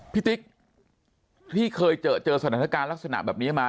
ติ๊กที่เคยเจอสถานการณ์ลักษณะแบบนี้มา